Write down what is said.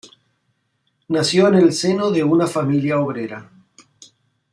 Nació en el seno de una familia obrera.